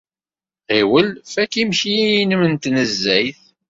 Ɣiwel, fak imekli-nnem n tnezzayt.